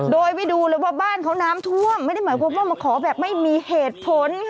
โดยไม่ดูเลยว่าบ้านเขาน้ำท่วมไม่ได้หมายความว่ามาขอแบบไม่มีเหตุผล